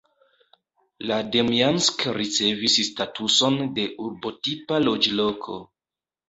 La Demjansk ricevis statuson de urbotipa loĝloko.